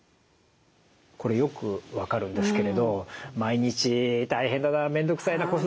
これよく分かるんですけれど毎日大変だな面倒くさいな子育てもある。